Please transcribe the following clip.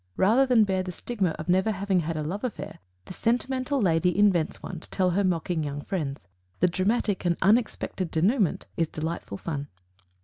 Rather than bear the stigma of never having had a love affair, this sentimental lady invents one to tell her mocking young friends. The dramatic and unexpected denouement is delightful fun.